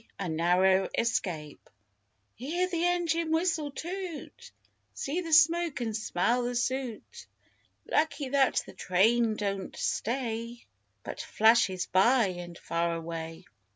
A NARROW ESCAPE Hear the engine whistle toot! See the smoke and smell the soot! Lucky that the train don't stay, But flashes by and far away!